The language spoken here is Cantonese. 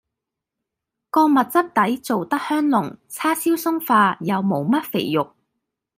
個蜜汁底做得香濃，叉燒鬆化，又無乜肥肉